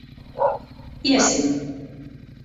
Iesim.